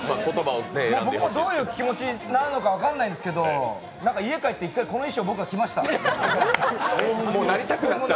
僕もどういう気持ちなのか分かんないんですけど僕も家に帰って１回この衣装着ました。